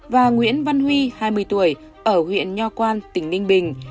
và nguyễn văn huy hai mươi tuổi ở huyện nho quan tỉnh ninh bình